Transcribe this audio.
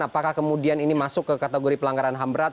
apakah kemudian ini masuk ke kategori pelanggaran ham berat